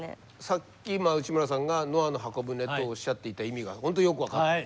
さっき内村さんが「ノアの方舟」っておっしゃっていた意味が本当よく分かった。